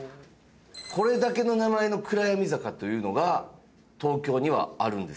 これだけの名前の暗闇坂というのが東京にはあるんです。